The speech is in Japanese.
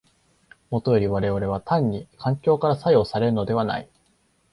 もとより我々は単に環境から作用されるのではない。